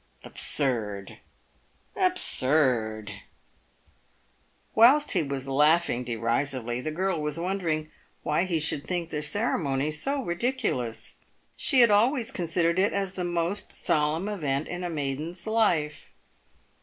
Absurd ! absurd !" "Whilst he was laughing derisively, the girl was wondering why he should think the ceremony so ridiculous. She had always considered it as the most solemn event in a maiden's life.